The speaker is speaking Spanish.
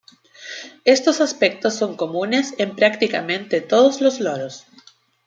Estos aspectos son comunes en prácticamente todos los loros.